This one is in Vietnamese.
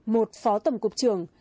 một phó tổng cục trưởng